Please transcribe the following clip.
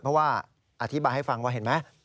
เพราะว่าอธิบายให้ฟังว่าเห็นไหม